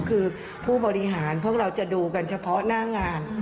คือผู้บริหารพวกเราจะดูกันเฉพาะหน้างาน